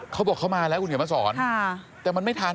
เขาบอกเขามาแล้วคุณเขียนมาสอนแต่มันไม่ทัน